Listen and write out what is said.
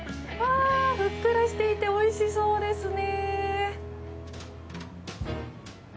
ふっくらしていておいしそうですね。